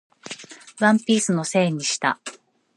ワンピースのせいにした